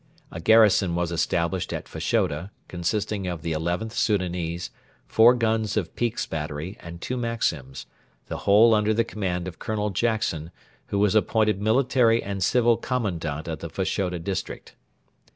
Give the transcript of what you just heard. A garrison was established at Fashoda, consisting of the XIth Soudanese, four guns of Peake's battery, and two Maxims, the whole under the command of Colonel Jackson, who was appointed military and civil commandant of the Fashoda district.